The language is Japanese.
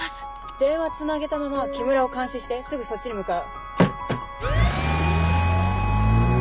電話つなげたまま木村を監視してすぐそっちに向かう。